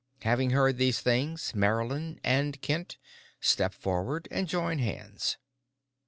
"Having heard these things, Marylyn and Kent, step forward and join hands."